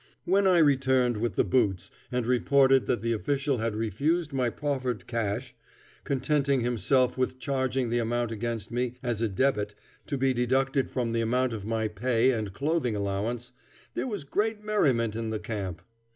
When I returned with the boots and reported that the official had refused my proffered cash, contenting himself with charging the amount against me as a debit to be deducted from the amount of my pay and clothing allowance, there was great merriment in the camp.